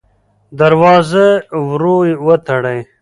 دروازه ورو وتړئ.